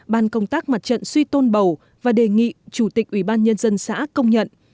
ban công tác mặt trận suy tôn bầu và đề nghị chủ tịch ubnd xã công nhận